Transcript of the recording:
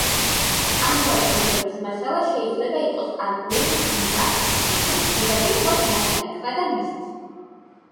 ამგვარი შენობების მასალა შეიძლება იყოს აგური, მინა, ლითონი, ზედაპირულად ნათალი ქვა და მისთ.